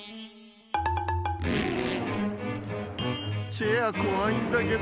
チェアこわいんだけど。